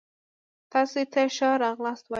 تاسي ته ښه را غلاست وايو